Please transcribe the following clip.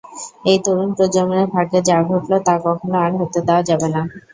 এই তরুণ প্রজন্মের ভাগ্যে যা ঘটল তা কখনও আর হতে দেওয়া যাবে না।